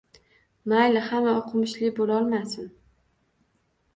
Mayli, hamma oʻqimishli boʻlolmas